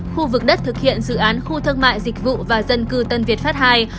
khu vực đất thực hiện dự án khu thương mại dịch vụ và dân cư tân việt pháp ii